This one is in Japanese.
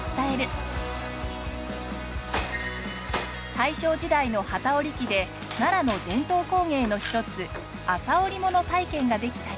大正時代の機織り機で奈良の伝統工芸の一つ麻織物体験ができたり。